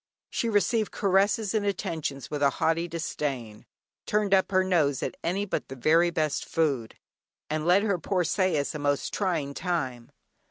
She received caresses and attentions with a haughty disdain, turned up her nose at any but the very best food, and led her poor sais a most trying time.